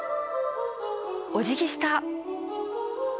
おじぎした！